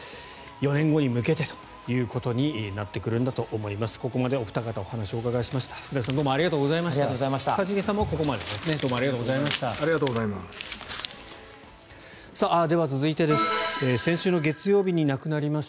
４年後に向けてということになってくるんだと思います。